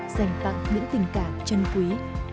dành tặng những tình cảm chân quý